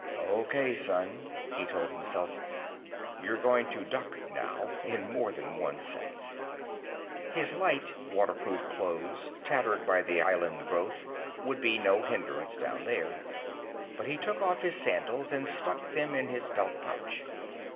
Okay, son, he told himself. You're going to duck now, in more than one sense. His light waterproof clothes, tattered by the island growth, would be no hindrance down there, but he took off his sandals and stuck them in his belt pouch.